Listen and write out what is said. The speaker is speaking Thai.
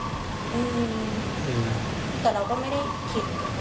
แต่เราก็ไม่ได้คิด